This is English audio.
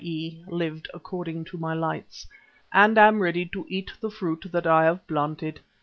e. lived according to my lights) "and am ready to eat the fruit that I have planted.